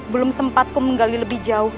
belum sempatku menggali lebih jauh